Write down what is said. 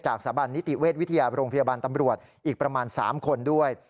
สถาบันนิติเวชวิทยาโรงพยาบาลตำรวจอีกประมาณ๓คนด้วย